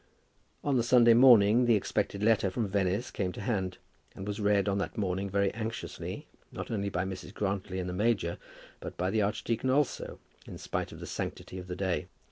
On the Sunday morning the expected letter from Venice came to hand, and was read on that morning very anxiously, not only by Mrs. Grantly and the major, but by the archdeacon also, in spite of the sanctity of the day.